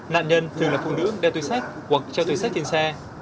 nạn nhân thường là phụ nữ đeo tuy sách hoặc treo tuy sách trên xe